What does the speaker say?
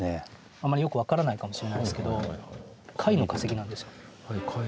あまりよく分からないかもしれないですけど貝の化石なんですよ。